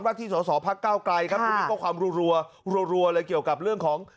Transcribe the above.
วัฒนีสอสอภักดิ์เก้าไกรคุณพี่ก็ความรัวเลยเกี่ยวกับเรื่องของ